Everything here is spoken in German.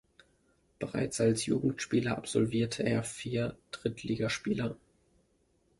Bereits als Jugendspieler absolvierte er vier Drittligaspiele.